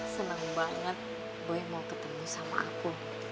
senang banget boy mau ketemu sama aku